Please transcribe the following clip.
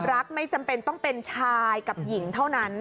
ไม่จำเป็นต้องเป็นชายกับหญิงเท่านั้น